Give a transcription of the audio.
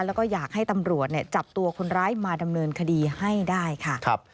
แล้วก็อยากให้ตำรวจจับตัวคนร้ายมาดำเนินคดีให้ได้ค่ะ